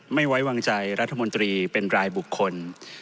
ไม่ไว้วางใจรัฐมนตรีเป็นรายบุคคล